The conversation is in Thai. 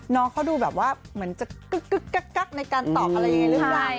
น้องเขาดูแบบว่าเหมือนจะกึ๊กกักในการตอบอะไรยังไงหรือเปล่า